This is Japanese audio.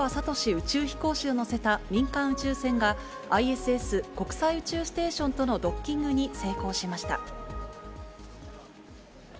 宇宙飛行士を乗せた民間宇宙船が、ＩＳＳ・国際宇宙ステーションとのドッキングに成功しました。